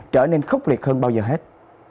trở nên khốc liệt hơn bao giờ hết